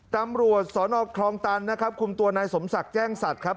ตำรวจสนคลองตันนะครับคุมตัวนายสมศักดิ์แจ้งสัตว์ครับ